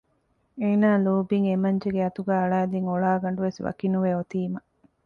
އޭނާ ލޯބިން އެމަންޖެގެ އަތުގައި އަޅައިދިން އޮޅާގަނޑުވެސް ވަކިނުވެ އޮތީމަ